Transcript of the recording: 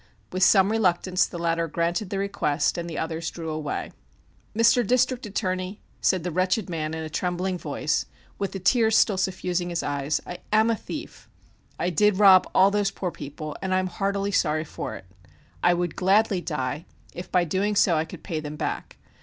With some reluctance the latter granted the request and the others drew away. "Mr. District Attorney," said the wretched man in a trembling voice, with the tears still suffusing his eyes, "I am a thief; I did rob all those poor people, and I am heartily sorry for it. I would gladly die, if by doing so I could pay them back.